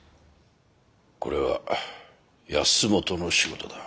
これは保本の仕事だ。